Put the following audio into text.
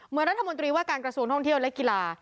เมื่อรัฐมนตรีว่าการกระตูงห้องเที่ยวเรียกกีฬา